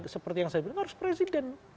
seperti yang saya bilang harus presiden